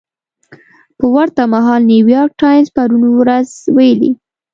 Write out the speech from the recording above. په ورته مهال نیویارک ټایمز پرون ورځ ویلي